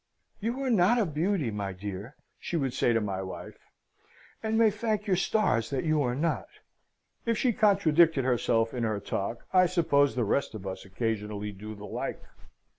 "You are not a beauty, my dear," she would say to my wife: "and may thank your stars that you are not." (If she contradicted herself in her talk, I suppose the rest of us occasionally do the like.)